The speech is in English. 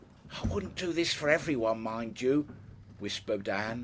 "I wouldn't do this for everyone, mind you," whispered Ann.